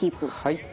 はい。